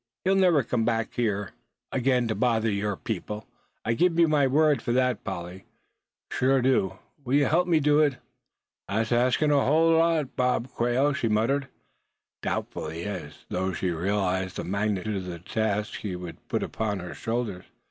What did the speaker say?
He'll never come back here again to bother your people; I give you my word for that, Polly, sure I do. Will you help me do it?" "Thet's asking a hull lot, Bob Quail," she muttered, doubtfully, as though she realized the magnitude of the task he would put upon her shoulders.